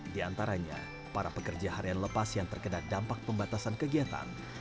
di antaranya para pekerja harian lepas yang terkena dampak pembatasan kegiatan